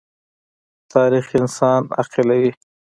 تاریخ انسان عاقلوي.